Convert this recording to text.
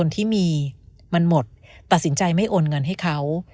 ตัดสินใจไม่โอนเงินให้เขา